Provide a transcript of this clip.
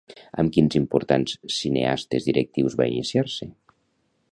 Amb quins importants cineastes directius va iniciar-se?